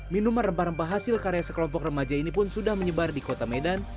minuman rempah rempah hasil karya sekelompok remaja ini pun sudah menyebar di kota medan